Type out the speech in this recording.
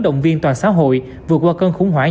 động viên toàn xã hội vượt qua cơn khủng hoảng